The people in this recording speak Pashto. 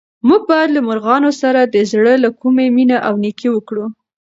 موږ باید له مرغانو سره د زړه له کومې مینه او نېکي وکړو.